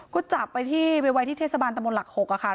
ก็จับไปที่เววัยที่เทศบาลตำบลหลัก๖นะคะ